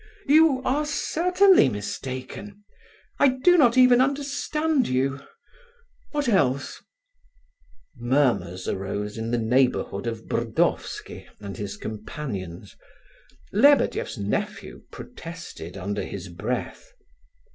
"You are certainly mistaken; I do not even understand you. What else?" Murmurs arose in the neighbourhood of Burdovsky and his companions; Lebedeff's nephew protested under his breath.